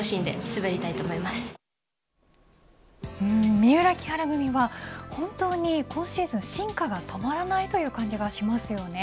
三浦、木原組は本当に今シーズン進化が止まらないという感じがしますよね。